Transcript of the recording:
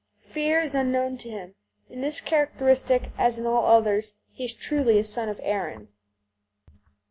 Fear is unknown to him. In this characteristic as in all others, he is truly a son of Erin.